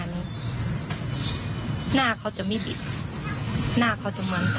และที่สำคัญก็มีอาจารย์หญิงในอำเภอภูสิงอีกเหมือนกัน